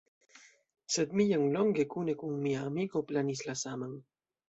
Sed mi jam longe kune kun mia amiko planis la saman.